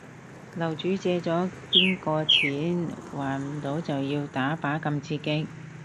樓主借咗邊個錢？還唔到就要打靶咁刺激